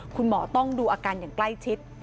คุณหมอต้องดูอาการอย่างใกล้ชิด